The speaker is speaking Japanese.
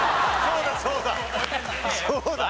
そうだそうだ。